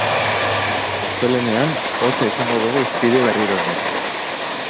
Astelehenean, hotza izango dugu hizpide berriro ere.